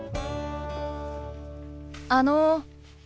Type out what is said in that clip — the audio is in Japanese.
あの。